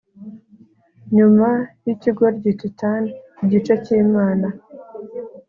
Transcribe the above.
nyuma yikigoryi Titan igicecyimana